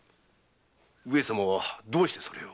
上様どうしてそれを？